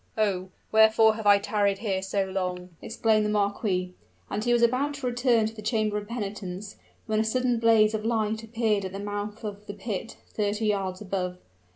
"Oh! wherefore have I tarried here so long?" exclaimed the marquis; and he was about to return to the chamber of penitence, when a sudden blaze of light appeared at the mouth of the pit, thirty yards above.